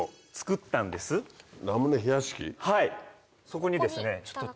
そこにですね。